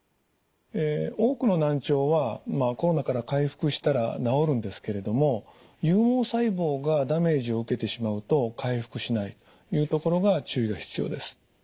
多くの難聴はコロナから回復したら治るんですけれども有毛細胞がダメージを受けてしまうと回復しないというところが注意が必要です。